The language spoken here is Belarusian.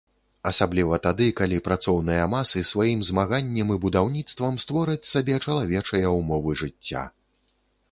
Асабліва тады, калі працоўныя масы сваім змаганнем і будаўніцтвам створаць сабе чалавечыя ўмовы жыцця.